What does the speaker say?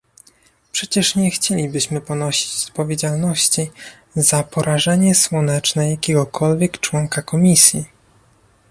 Przecież nie chcielibyśmy ponosić odpowiedzialności za porażenie słoneczne jakiegokolwiek członka Komisji!